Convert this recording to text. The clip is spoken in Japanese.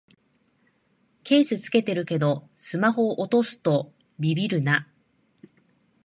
ケース付けてるけどスマホ落とすとビビるな